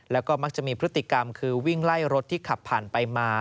แล้วก็มักจะมีพฤติกรรมคือวิ่งไล่รถที่ขับผ่านไปมา